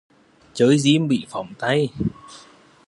Chơi diêm bị phỏng tay